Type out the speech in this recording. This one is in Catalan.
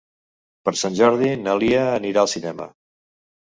Per Sant Jordi na Lia anirà al cinema.